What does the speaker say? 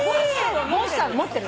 ボンスターは持ってる。